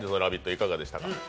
いかがでしたか。